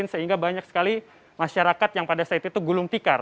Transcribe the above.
sehingga banyak sekali masyarakat yang pada saat itu gulung tikar